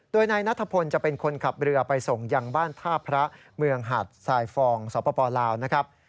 โดยนายนัทพลจะเป็นคนขับเรือไปส่งยังบ้านท่าพระเมืองหัดสายฟองสปลาวนะครับ